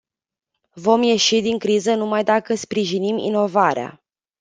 Vom ieși din criză numai dacă sprijinim inovarea.